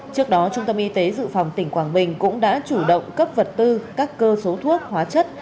trước đó trung tâm y tế dự phòng tỉnh quảng bình cũng đã chủ động cấp vật tư các cơ số thuốc hóa chất